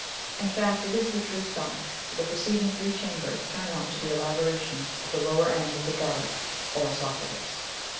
In fact, it is the true stomach, for the preceding three chambers turn out to be elaborations of the lower end of the gullet or oesophagus.